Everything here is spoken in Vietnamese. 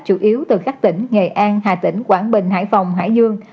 chủ yếu từ các tỉnh nghệ an hà tĩnh quảng bình hải phòng hải dương